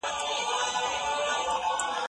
په څېړنه کې باید مذهبي پلوي ونه سی.